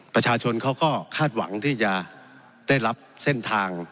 ประชาชนเขาก็คาดหวังที่จะได้รับเส้นทาง